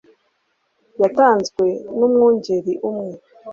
yatanzwe n'umwungeri umwe